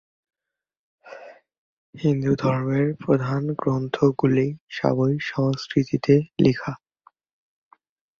হিন্দুধর্মের প্রধান গ্রন্থগুলি সবই সংস্কৃতে লেখা।